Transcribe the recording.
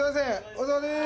お疲れさまです